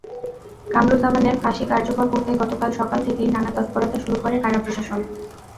কামারুজ্জামানের ফাঁসি কার্যকর করতে গতকাল সকাল থেকেই নানা তৎপরতা শুরু করে কারা প্রশাসন।